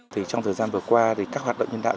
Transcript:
trong thời gian vừa qua các hoạt động nhân đạo